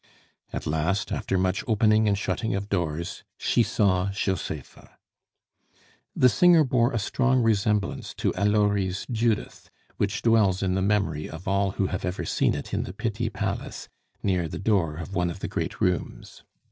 At last, after much opening and shutting of doors, she saw Josepha. The singer bore a strong resemblance to Allori's Judith, which dwells in the memory of all who have ever seen it in the Pitti palace, near the door of one of the great rooms.